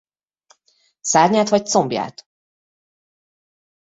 Szárnyát vagy combját?